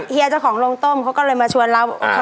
เฮียเจ้าของโรงต้มเขาก็เลยมาชวนเรา